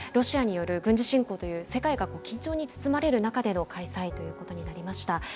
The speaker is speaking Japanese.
今回はそれに加えてロシアによる軍事侵攻という世界が緊張に包まれる中での開催ということになりました。